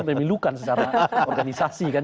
memilukan secara organisasi kan